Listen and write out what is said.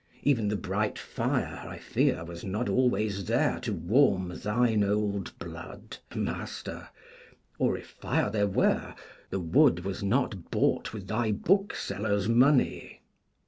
Even the bright fire, I fear, was not always there to warm thine old blood, Master, or, if fire there were, the wood was not bought with thy book seller's money.